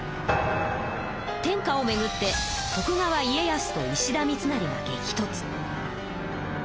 天下をめぐって徳川家康と石田三成が激とつ。